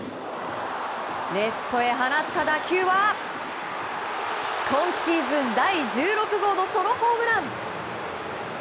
レフトへ放った打球は今シーズン第１６号のソロホームラン！